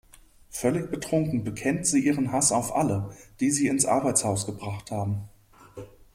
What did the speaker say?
Völlig betrunken bekennt sie ihren Hass auf alle, die sie ins «Arbeitshaus» gebracht haben.